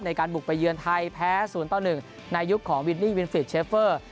ในการบุกไปเยือนไทยแพ้๐ต่อ๑ในยุคของวินนี่วินฟิตเชฟเฟอร์